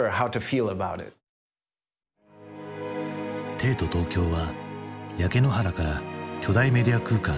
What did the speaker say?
帝都東京は焼け野原から巨大メディア空間へ。